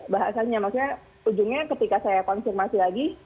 bahasanya maksudnya ujungnya ketika saya konfirmasi lagi